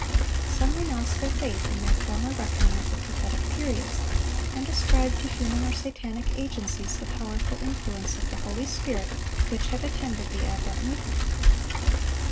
Some renounced their faith in their former reckoning of the prophetic periods, and ascribed to human or satanic agencies the powerful influence of the Holy Spirit which had attended the Advent Movement.